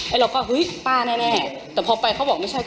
ไอ้เราฝ่าเฮ้ยป้าแน่แน่แต่พอไปเขาบอกไม่ใช่